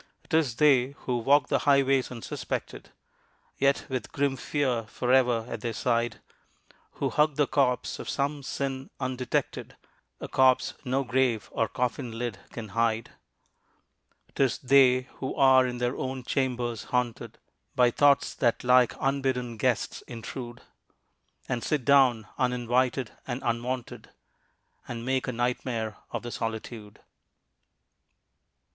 'Tis they who walk the highways unsuspected Yet with grim fear forever at their side, Who hug the corpse of some sin undetected, A corpse no grave or coffin lid can hide 'Tis they who are in their own chambers haunted By thoughts that like unbidden guests intrude, And sit down, uninvited and unwanted, And make a nightmare of the solitude.